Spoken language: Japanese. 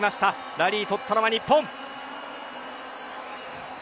ラリー取ったのは日本。